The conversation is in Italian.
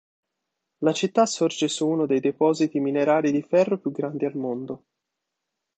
La città sorge su uno dei depositi minerari di ferro più grandi al mondo.